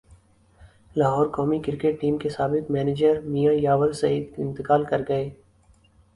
لاہورقومی cricket team کے سابق manager Mian یاور سعید انتقال کرگئے